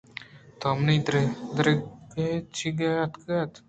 تو منی درگیجگ ءَ اتکگ اِت